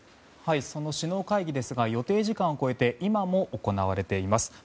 その首脳会議ですが予定時間を超えて今も行われています。